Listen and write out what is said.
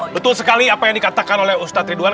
betul sekali apa yang dikatakan oleh ustadz ridwan